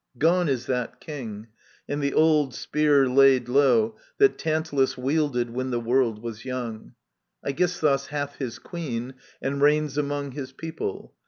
Gone is that King, and the old spear laid low That Tantalus wielded when the world was young. Aegisthus hath his queen, and reigns among His people.